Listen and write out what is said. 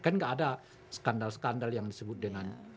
kan nggak ada skandal skandal yang disebut dengan